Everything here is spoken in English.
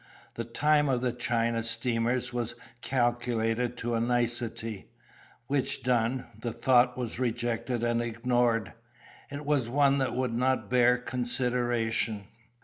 The time of the China steamers was calculated to a nicety; which done, the thought was rejected and ignored. It was one that would not bear consideration.